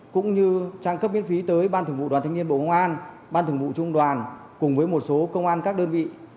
cũng như trang cấp miễn phí tới ban thường vụ đoàn thanh niên bộ công an ban thường vụ trung đoàn cùng với một số công an các đơn vị